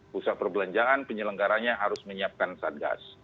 pusat perbelanjaan penyelenggaranya harus menyiapkan satgas